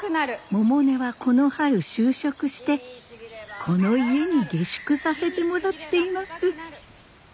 百音はこの春就職してこの家に下宿させてもらっています。